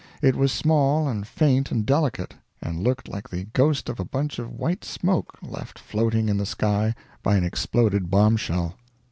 It was small and faint and delicate, and looked like the ghost of a bunch of white smoke left floating in the sky by an exploded bombshell.